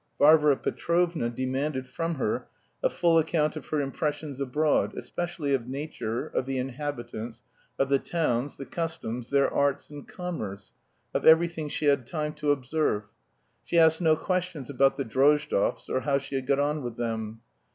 Varvara Petrovna demanded from her a full account of her impressions abroad, especially of nature, of the inhabitants, of the towns, the customs, their arts and commerce of everything she had time to observe. She asked no questions about the Drozdovs or how she had got on with them.